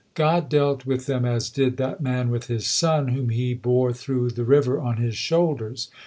God dealt with them as did that man with his son, whom he bore through the river on his shoulders.